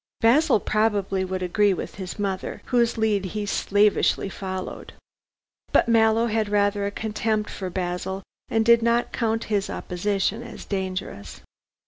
Basil probably would agree with his mother, whose lead he slavishly followed. But Mallow had rather a contempt for Basil, and did not count his opposition as dangerous.